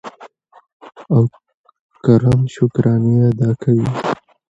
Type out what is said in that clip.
او کرم شکرانې ادا کوي.